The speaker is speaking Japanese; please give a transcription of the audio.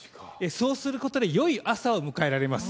そうすることで、よい朝を迎えられます。